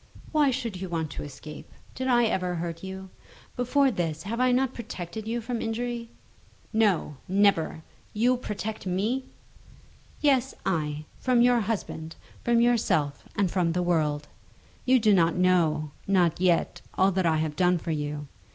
"Why should you want to escape? Did I ever hurt you? Before this have I not protected you from injury?" "No; never. You protect me!" "Yes; I; from your husband, from yourself, and from the world. You do not know, not yet, all that I have done for you.